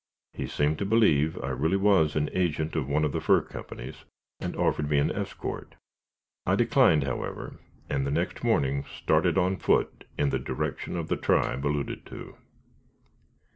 He seemed to believe I really was an agent of one of the fur companies, and offered me an escort. I declined, however, and the next morning started on foot in the direction of the tribe alluded to.